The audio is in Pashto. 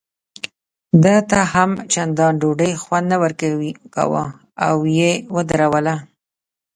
ده ته هم چندان ډوډۍ خوند نه ورکاوه او یې ودروله.